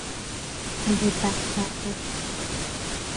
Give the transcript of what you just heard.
محبت کردن